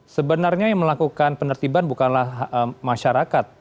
sebenarnya yang melakukan penertiban bukanlah masyarakat